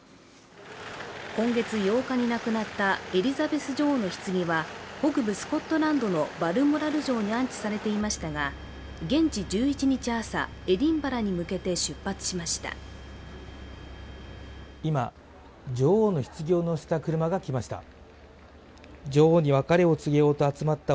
今月８日に亡くなったエリザベス女王のひつぎは北部スコットランドのバルモラル城に安置されていましたが現地１１日朝、エディンバラに向けて出発しました。